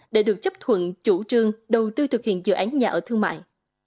để được chấp thuận chủ trương đầu tư thực hiện dự án nhà ở thương mại